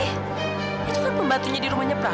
itu kan pembantunya di rumahnya pak